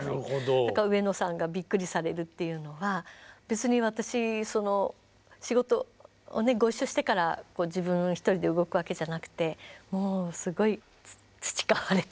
だから上野さんがびっくりされるっていうのは別に私仕事をねご一緒してから自分一人で動くわけじゃなくてもうすごい培われて。